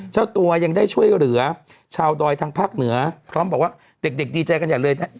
เจ้าตัวยังได้ช่วยเหลือชาวดอยทางภาคเหนือพร้อมบอกว่าเด็กดีใจกันใหญ่เลย